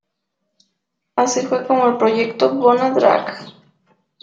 Así fue como el proyecto "Bona Drag".